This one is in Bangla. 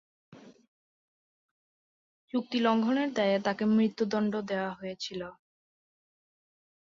চুক্তি লঙ্ঘনের দায়ে তাকে মৃত্যুদণ্ড দেওয়া হয়েছিল।